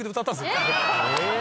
え！